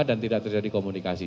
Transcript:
dan tidak terjadi komunikasi